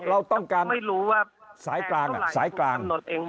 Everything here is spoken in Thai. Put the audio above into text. เราต้องการสายกลางสายกลาง